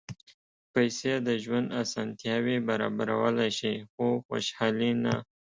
پېسې د ژوند اسانتیاوې برابرولی شي، خو خوشالي نه.